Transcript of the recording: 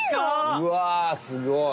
うわすごい。